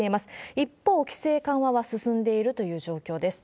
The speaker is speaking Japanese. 一方、規制緩和は進んでいるという状況です。